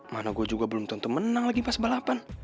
mana gue juga belum tentu menang lagi pas balapan